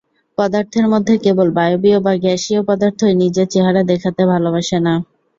পদার্থের মধ্যে কেবল বায়বীয় বা গ্যাসীয় পদার্থই নিজের চেহারা দেখাতে ভালোবাসে না।